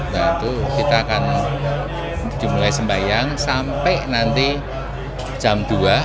nah itu kita akan dimulai sembahyang sampai nanti jam dua